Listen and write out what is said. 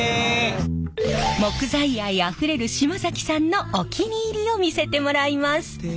木材愛あふれる島崎さんのお気に入りを見せてもらいます。